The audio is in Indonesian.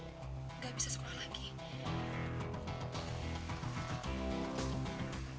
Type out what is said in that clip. gak bisa sekolah lagi